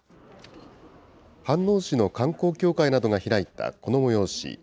飯能市の観光協会などが開いたこの催し。